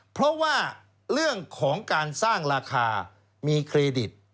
เพราะว่าเรื่องของการสร้างราคามีเครดิต